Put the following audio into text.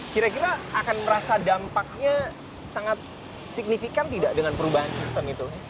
kira kira akan merasa dampaknya sangat signifikan tidak dengan perubahan sistem itu